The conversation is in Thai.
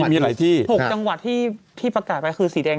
มีหลายที่